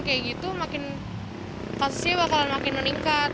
kayak gitu makin kasusnya bakalan makin meningkat